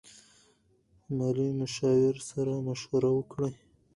مالي مشاور سره مشوره وکړئ.